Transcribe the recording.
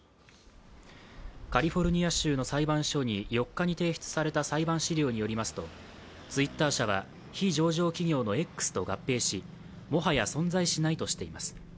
カリフォルニア州の裁判所に４日に提出された裁判資料によりますとＴｗｉｔｔｅｒ社は非上場企業のＸと合併しもはや存在しないとしています。